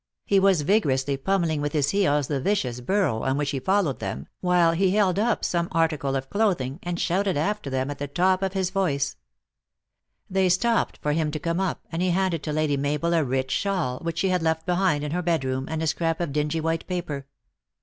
He was vigorously pummeling with his heels the vicious burro on which he followed them, while he held up some article of clothing, and shouted after them at the top of his voice. They stopped for him to come up, and he handed to Lady Mabel a rich shawl, which she had left behind 7 154 THE ACTRESS IN HIGH LIFE. in her bed room, and a scrap of dingy white paper.